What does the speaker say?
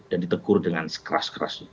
dan ditegur dengan sekeras keras